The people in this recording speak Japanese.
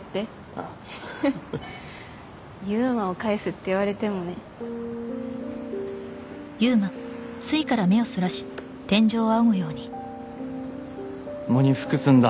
ああ「悠馬を返す」って言われてもね喪に服すんだ